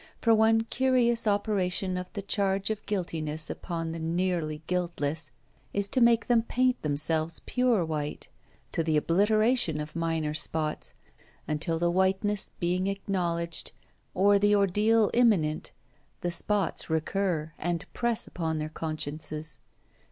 For one curious operation of the charge of guiltiness upon the nearly guiltless is to make them paint themselves pure white, to the obliteration of minor spots, until the whiteness being acknowledged, or the ordeal imminent, the spots recur and press upon their consciences.